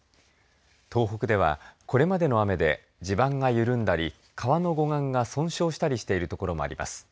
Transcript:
東北では、これまでの雨で地盤が緩んだり川の護岸が損傷したりしているところもあります。